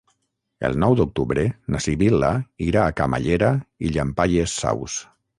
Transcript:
El nou d'octubre na Sibil·la irà a Camallera i Llampaies Saus.